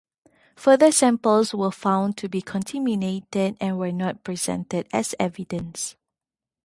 Further samples were found to be contaminated and were not presented as evidence.